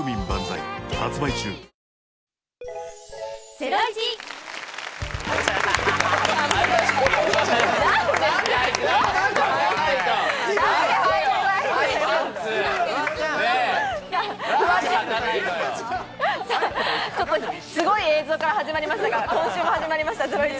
ちょっとすごい映像から始まりましたが、今週も始まりました『ゼロイチ』。